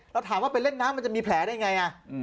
เราถามว่าเป็นเล่นน้ำมันจะมีแผลได้อย่างไร